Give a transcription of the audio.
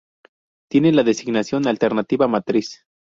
Tiene la designación alternativa Matriz.